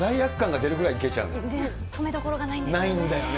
止めどころがないんですよね。